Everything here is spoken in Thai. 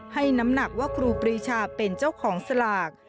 น้ำหนักว่าครูปรีชาเป็นเจ้าของสลาก